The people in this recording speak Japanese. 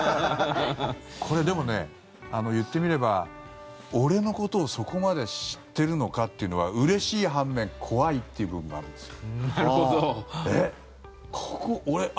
これ、でもね言ってみれば俺のことをそこまで知ってるのかというのはうれしい半面怖いという部分もあるんです。